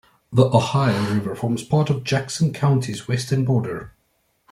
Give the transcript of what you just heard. The Ohio River forms part of Jackson County's western border.